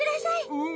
うん。